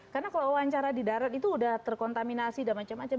karena kalau wawancara di darat itu sudah terkontaminasi dan macam macam